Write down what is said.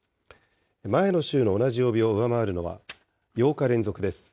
前の週の同じ曜日を上回るのは８日連続です。